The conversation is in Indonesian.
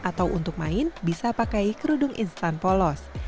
atau untuk main bisa pakai kerudung instan polos